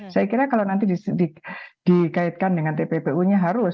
saya kira kalau nanti dikaitkan dengan tppu nya harus